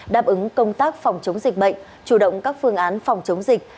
đáp ứng công tác phòng chống dịch bệnh chủ động các phương án phòng chống dịch